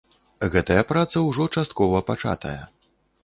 Гэтая праца ўжо часткова пачатая.